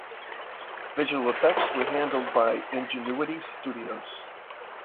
Visual effects were handled by Ingenuity Studios.